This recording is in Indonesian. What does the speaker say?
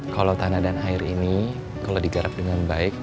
kalau tanah dan air ini kalau digarap dengan baik